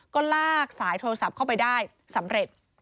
ก็ลากสายโทรศัพท์เข้าไปได้สำเร็จ